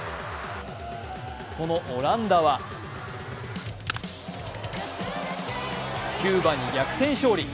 そのオランダはキューバに逆転勝利。